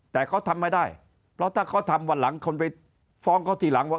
แต่เขาทำไม่ได้เพราะถ้าเขาทำวันหลังคนไปฟ้องเขาทีหลังว่า